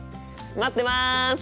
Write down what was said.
待ってます！